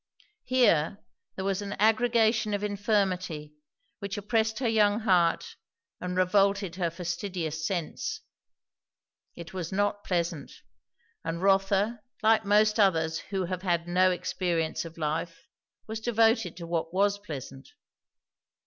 Here there was an aggregation of infirmity, which oppressed her young heart and revolted her fastidious sense. It was not pleasant; and Rotha, like most others who have no experience of life, was devoted to what was pleasant.